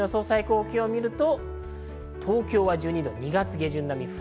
最高気温を見ると東京は１２度、２月下旬並み。